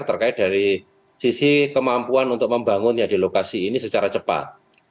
terkait dari sisi kemampuan untuk membangunnya di lokasi ini secara cepat